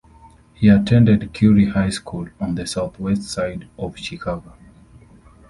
He attended Curie High School on the Southwest side of Chicago.